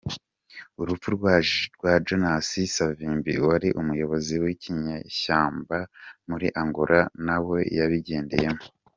Urupfu rwa Jonasi savimbi wari umuyobozi w’inyeshyamba muri Angola nawe yabigendeyemo.